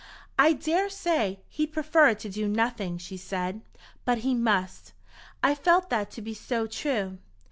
'I daresay he'd prefer to do nothing,' she said, 'but he must.' I felt that to be so true!